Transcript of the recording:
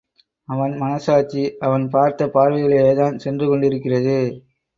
அவன் மனச்சாட்சி அவன் பார்த்த பார்வையிலேதான் சென்று கொண்டிருக்கிறது.